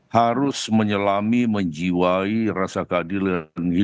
harus menyelami menjiwai rasa keadilan